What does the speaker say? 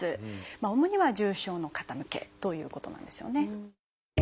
主には重症の方向けということなんですよね。